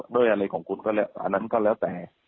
ด้วยอะไรของคุณก็แล้วอันนั้นก็แล้วแต่